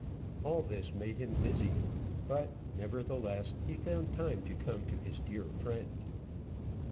All this made him busy; but, nevertheless, he found time to come to his dear friend.